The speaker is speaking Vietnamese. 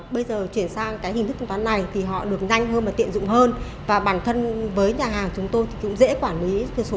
bây giờ chuyển sang hình thức thanh toán này